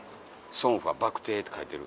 「ソンファバクテー」って書いてる。